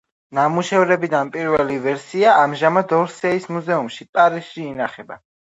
ნამუშევრებიდან პირველი ვერსია ამჟამად ორსეის მუზეუმში, პარიზში ინახება.